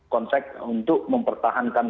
konteks untuk mempertahankan